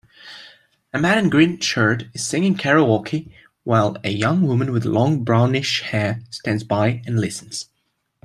A man in a green shirt is singing karaoke while a young woman with long brownish hair stands by and listens